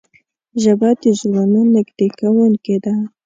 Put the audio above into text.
ژبه د زړونو نږدې کوونکې ده